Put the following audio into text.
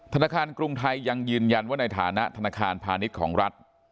ธนาคารกรุงไทยยังยืนยันว่าในฐานะธนาคารพาณิชย์ของรัฐ